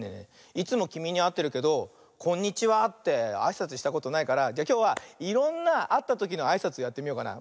いつもきみにあってるけど「こんにちは」ってあいさつしたことないからじゃあきょうはいろんなあったときのあいさつをやってみようかな。